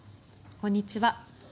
こんにちは。